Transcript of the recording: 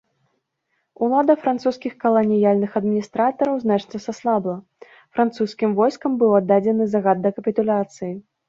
Улада французскіх каланіяльных адміністратараў значна саслабла, французскім войскам быў аддадзены загад да капітуляцыі.